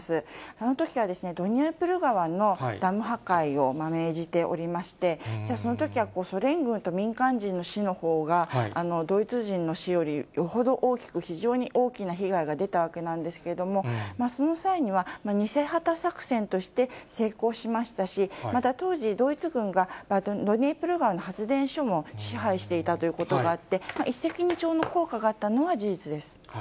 あのときは、ドニプロ川のダム破壊を命じておりまして、そのときはソ連軍と民間人の死のほうがドイツ人の死よりよほど大きく、非常に大きな被害が出たわけなんですけれども、その際には、偽旗作戦として成功しましたし、また当時、ドイツ軍がドニプロ川の発電所も支配していたということがあって、一石二鳥の効果があったのは事実です。